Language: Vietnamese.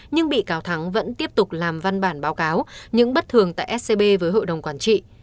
nhưng bị cáo thắng vẫn tiếp tục làm văn bản báo cáo những bất thường tại scb với hội đồng quản trị